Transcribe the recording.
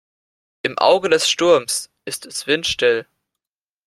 Im Auge des Sturms ist es windstill.